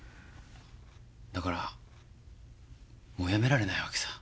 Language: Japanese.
だからもうやめられないわけさ。